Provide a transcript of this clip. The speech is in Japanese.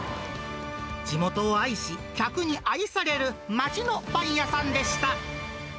地元を愛し、客に愛される街のパン屋さんでした。